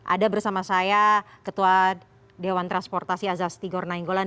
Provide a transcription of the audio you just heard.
ada bersama saya ketua dewan transportasi azas tigor nainggolan